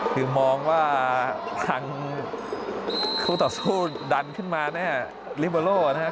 คือมองว่าทางคู่ต่อสู้ดันขึ้นมาแน่ลิเบอร์โลนะครับ